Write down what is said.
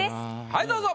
はいどうぞ。